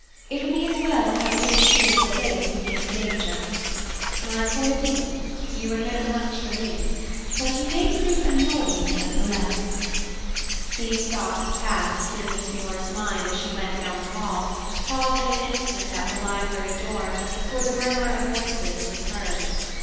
It will be as well to have all sure before there can be any danger. My poor Dean, you are no match for me, but you may prove annoying, nevertheless." These thoughts passed through Miss Muir's mind as she went down the hall, pausing an instant at the library door, for the murmur of voices was heard.